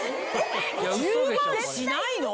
１０万しないの⁉